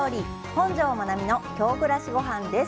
「本上まなみの京暮らしごはん」です！